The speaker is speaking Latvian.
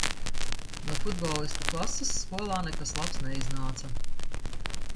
No futbolistu klases skolā nekas labs neiznāca.